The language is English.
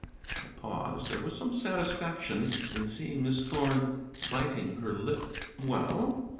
I paused. There was some satisfaction in seeing Miss Thorn biting her lip. "Well?"